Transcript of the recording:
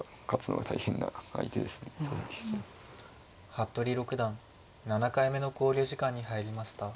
服部六段７回目の考慮時間に入りました。